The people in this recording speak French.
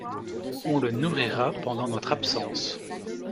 On le nourrira pendant notre absence.